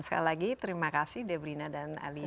sekali lagi terima kasih debrina dan alia